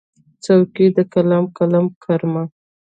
څوکې د قلم، قلم کرمه